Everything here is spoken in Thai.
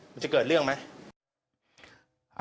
มันจะเกิดเรื่องไหม